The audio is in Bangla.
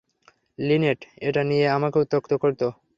লিনেট এটা নিয়ে আমাকে উত্যক্ত করত।